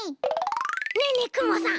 ねえねえくもさん